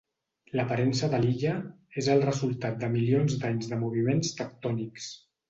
L'aparença de l'illa és el resultat de milions d'anys de moviments tectònics.